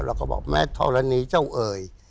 เราก็บอกแม่ทศนิเจ้าเอ่ย